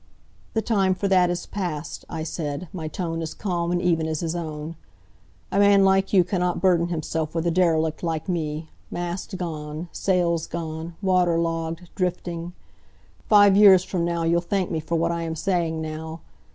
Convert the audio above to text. "The time for that is past," I said, my tone as calm and even as his own. "A man like you cannot burden himself with a derelict like me mast gone, sails gone, water logged, drifting. Five years from now you'll thank me for what I am saying now.